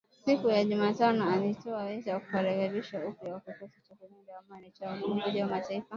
Siku ya Jumatano alitoa wito wa kurekebishwa upya kwa kikosi cha kulinda amani cha Umoja wa Mataifa.